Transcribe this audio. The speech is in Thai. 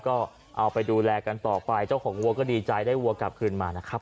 ก็เอาไปดูแลกันต่อไปเจ้าของวัวก็ดีใจได้วัวกลับคืนมานะครับ